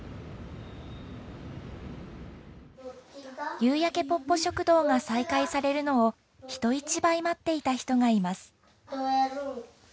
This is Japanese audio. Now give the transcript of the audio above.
夕焼けぽっぽ食堂が再開されるのを人一倍待っていた人がいます。